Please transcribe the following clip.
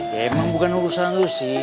ya emang bukan urusan lo sih